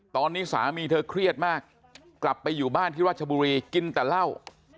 ตอนนี้สามีเธอเครียดมากกลับไปอยู่บ้านที่ราชบุรีกินแต่เหล้า